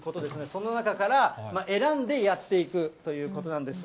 その中から選んでやっていくということなんです。